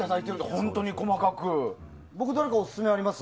本当に細かく。